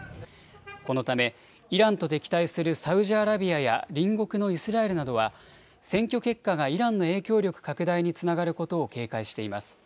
このためイランと敵対するサウジアラビアや隣国のイスラエルなどは選挙結果がイランの影響力拡大につながることを警戒しています。